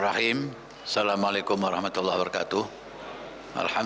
ini menandakan bahwa sebuah kegemaran